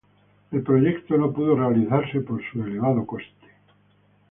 El proyecto no pudo realizarse por su elevado coste.